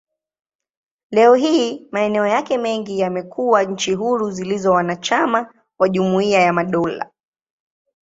Leo hii, maeneo yake mengi yamekuwa nchi huru zilizo wanachama wa Jumuiya ya Madola.